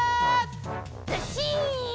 ずっしん！